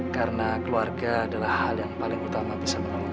karena keluarga adalah hal yang paling utama bisa menemukanmu